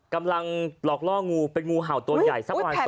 กำลังหลอกล่องูเป็นงูเห่าตัวใหญ่สักประมาณ